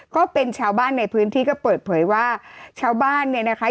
ก็เป็นชาวบ้านในพื้นที่ก็เปิดเผยว่าชาวบ้านเนี่ยนะคะ